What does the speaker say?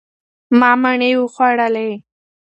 ما مڼې وخوړلې.